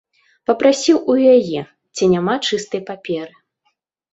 Папрасіў у яе, ці няма чыстай паперы.